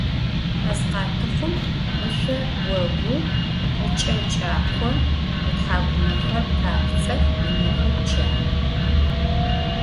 Mezkhatıxhum ışso vogu, ıç'e ç'ako, ıthak'umexer papts'ex, ınexer çanıx.